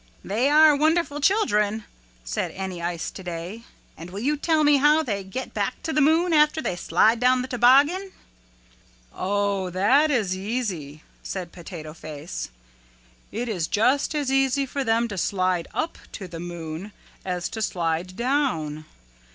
"They are wonderful children," said Any Ice Today. "And will you tell me how they get back to the moon after they slide down the toboggan?" "Oh, that is easy," said Potato Face. "It is just as easy for them to slide up to the moon as to slide down.